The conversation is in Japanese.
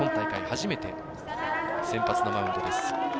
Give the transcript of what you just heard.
初めて先発のマウンドです。